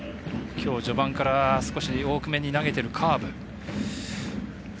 きょう、序盤から少し多めに投げているカーブ。